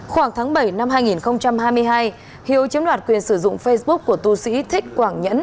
khoảng tháng bảy năm hai nghìn hai mươi hai hiếu chiếm đoạt quyền sử dụng facebook của tu sĩ thích quảng nhẫn